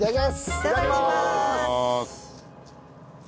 いただきます。